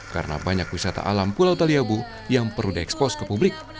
karena banyak wisata alam pulau taliabu yang perlu diekspos ke publik